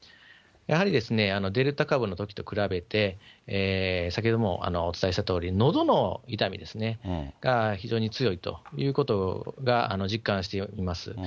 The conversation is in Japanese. やはり、デルタ株のときと比べて、先ほどもお伝えしたとおり、のどの痛みですね、非常に強いということが、実感しています。